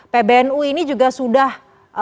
pbnu ini juga sudah